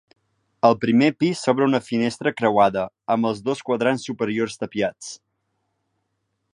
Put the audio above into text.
Al primer pis s'obre una finestra creuada, amb els dos quadrants superiors tapiats.